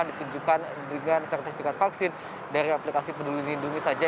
ditunjukkan dengan sertifikat vaksin dari aplikasi penduduk hindumi saja